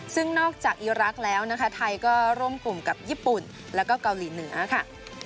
ซึ่งนอกจากอีรักษ์แล้วนะคะไทยก็ร่วมกลุ่มกับญี่ปุ่นแล้วก็เกาหลีเหนือค่ะ